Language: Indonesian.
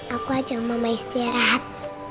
aku ajak mama istirahat